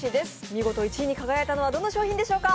見事１位に輝いたのは、どの商品でしょうか。